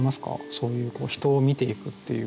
そういう人を見ていくっていう。